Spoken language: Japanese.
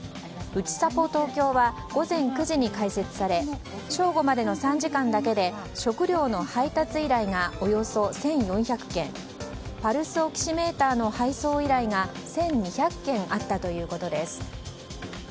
うちさぽ東京は午前９時に開設され正午までの３時間だけで食料の配達依頼がおよそ１４００件パルスオキシメーターの配送依頼が１２００件あったということです。